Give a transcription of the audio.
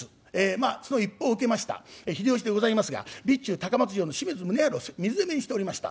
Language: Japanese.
まあその一報を受けました秀吉でございますが備中高松城の清水宗治を水攻めにしておりました。